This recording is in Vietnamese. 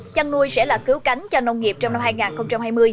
chăn nuôi sẽ là cứu cánh cho nông nghiệp trong năm hai nghìn hai mươi